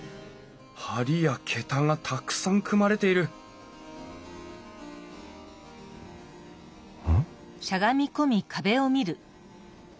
梁や桁がたくさん組まれているうん？